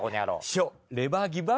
師匠。